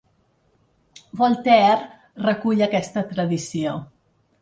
Voltaire recull aquesta tradició.